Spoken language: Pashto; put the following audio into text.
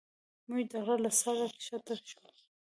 موږ د غره له سره ښکته شوو.